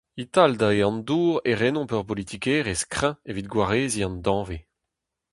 E-tal dae an dour e renomp ur politikerezh kreñv evit gwareziñ an danvez.